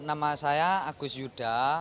nama saya agus yuda